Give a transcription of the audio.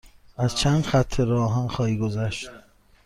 از چند خط راه آهن خواهی گذشت.